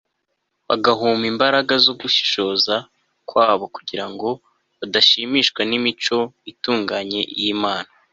bagahuma imbaraga zo gushishoza kwabo kugira ngo badashimishwa n'imico itunganye y'imana